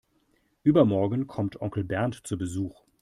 Übermorgen kommt Onkel Bernd zu Besuch.